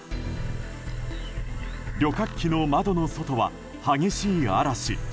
旅客機の窓の外は激しい嵐。